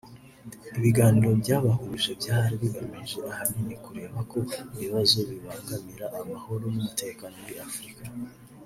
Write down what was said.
ibiganiro byabahuje byari bigamije ahanini kureba ku bibazo bibangamira amahoro n’umutekano muri Afurika